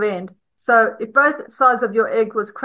yang tidak memiliki sisi telur terkacau